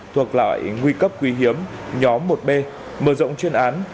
thuộc lại nguy cấp quý hiếm nhóm một b mở rộng chuyên án